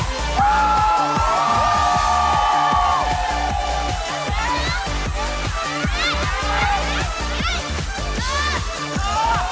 เก่งมากจริง